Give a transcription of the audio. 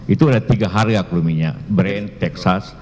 itu ada tiga harga kalau minyak brand teksas